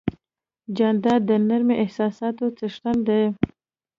جانداد د نرمو احساساتو څښتن دی.